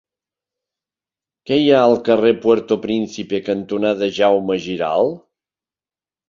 Què hi ha al carrer Puerto Príncipe cantonada Jaume Giralt?